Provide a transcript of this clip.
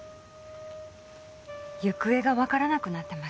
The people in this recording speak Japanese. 行方がわからなくなってました。